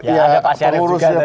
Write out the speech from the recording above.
ya ada pak syarif juga tadi